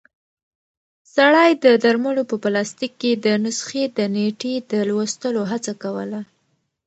سړی د درملو په پلاستیک کې د نسخې د نیټې د لوستلو هڅه کوله.